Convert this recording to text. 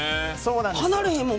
離れへんもん！